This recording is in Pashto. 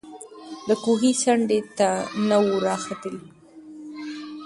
د کوهي څنډي ته نه وو راختلی